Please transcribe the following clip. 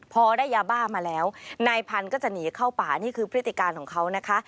พอได้ยาบ้ามาแล้วนายพันธุ์ก็จะหนีเข้าป่านี่คือพฤติการของเขานะคะ